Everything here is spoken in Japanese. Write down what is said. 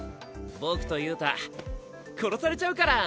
僕と憂太殺されちゃうから！